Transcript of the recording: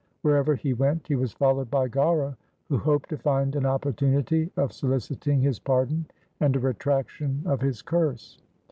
Wherever he went he was followed by Gaura, who hoped to find an opportunity of soliciting his pardon, and a retractation of his curse.